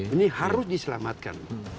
ini harus diselamatkan